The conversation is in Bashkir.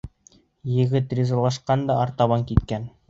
Егет ризалашҡан да артабан киткән.